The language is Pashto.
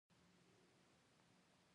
پړانګ یو چټک ښکارچی دی.